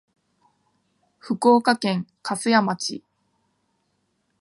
福岡県粕屋町